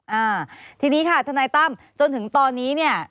อ่าทีนี้ค่ะทนายตั้มจนถึงตอนนี้เนี่ย